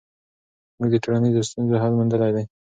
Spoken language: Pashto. موږ د ټولنیزو ستونزو حل موندلی دی.